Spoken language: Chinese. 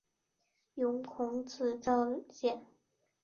有子孔昭俭。